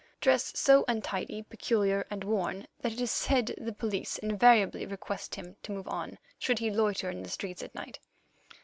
Dress so untidy, peculiar, and worn that it is said the police invariably request him to move on, should he loiter in the streets at night.